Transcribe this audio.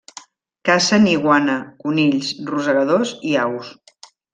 Cacen iguana, conills, rosegadors i aus.